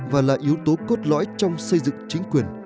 và là yếu tố cốt lõi trong xây dựng chính quyền